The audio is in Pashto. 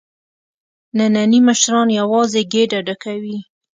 نني مشران یوازې ګېډه ډکوي.